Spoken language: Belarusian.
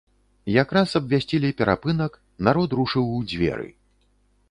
Якраз абвясцілі перапынак, народ рушыў у дзверы.